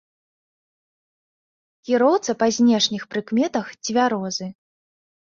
Кіроўца па знешніх прыкметах цвярозы.